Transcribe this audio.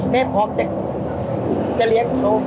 พร้อมจะเลี้ยงเขา